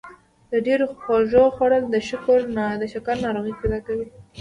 د ډېرو خوږو خوړل د شکر ناروغي پیدا کوي.